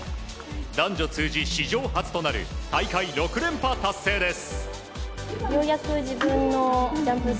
男女通じ史上初となる大会６連覇達成です。